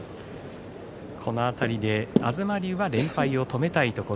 この辺りで東龍が連敗を止めたいところ。